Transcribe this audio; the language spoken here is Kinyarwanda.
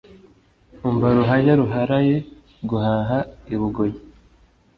umva ruhaya ruharaye guhaha i bugoyi